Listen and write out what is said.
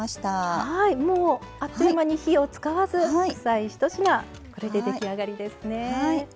もうあっという間に火を使わず副菜１品これで出来上がりですね。